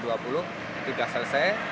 itu sudah selesai